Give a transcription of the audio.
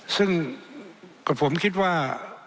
ซึ่งกับผมคิดว่า